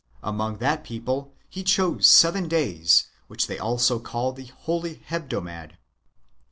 Among that people he chose seven days/ which they also call the holy Hebdomad.